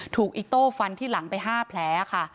อิโต้ฟันที่หลังไป๕แผลค่ะ